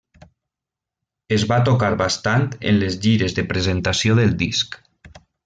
Es va tocar bastant en les gires de presentació del disc.